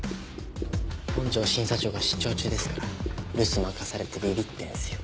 本庄審査長が出張中ですから留守任されてビビってんすよ。